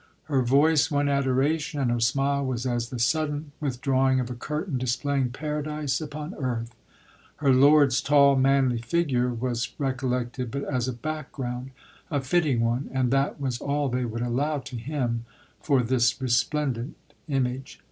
Her voice won adoration, and her smile was as the sudden withdrawing of a curtain displaying paradise upon earth. Her lord's tall, manly lioure, was recollected but as a back ground — a fitting one — and that was all they would allow to him — for this resplendent image.